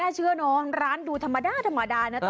เชื่อเนอะร้านดูธรรมดาธรรมดานะ